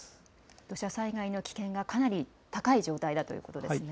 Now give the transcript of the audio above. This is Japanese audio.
土砂災害の危険がかなり高い状態だということですね。